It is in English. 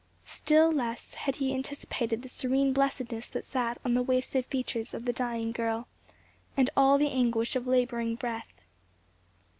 Still less had he anticipated the serene blessedness that sat on the wasted features of the dying girl, and all the anguish of labouring breath.